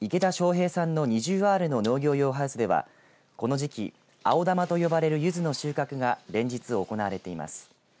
平さんの２０アールの農業用ハウスではこの時期、青玉と呼ばれるユズの収穫が連日行われています。